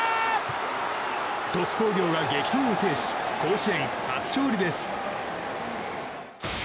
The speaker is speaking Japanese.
鳥栖工業が激闘を制し甲子園初勝利です。